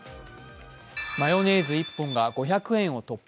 マヨネーズ１本が５００円を突破。